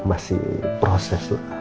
masih proses lah